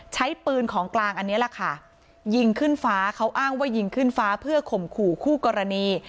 ใช้ปืนของกลางอันนี้แหละค่ะยิงขึ้นฟ้าเขาอ้างว่ายิงขึ้นฟ้าเพื่อข่มขู่คู่กรณี